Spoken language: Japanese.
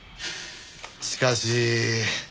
しかし。